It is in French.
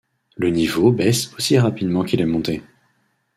Le niveau baisse aussi rapidement qu'il est monté.